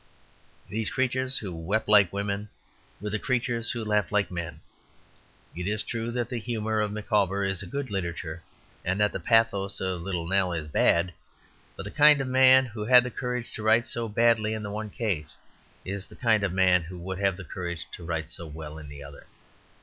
These creatures who wept like women were the creatures who laughed like men. It is true that the humour of Micawber is good literature and that the pathos of little Nell is bad. But the kind of man who had the courage to write so badly in the one case is the kind of man who would have the courage to write so well in the other.